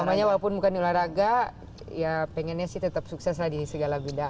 semuanya walaupun bukan di olahraga ya pengennya sih tetap sukses lagi di segala bidang